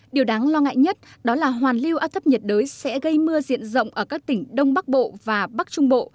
điều đáng lo ngại nhất đó là hoàn lưu áp thấp nhiệt đới sẽ gây mưa diện rộng ở các tỉnh đông bắc bộ và bắc trung bộ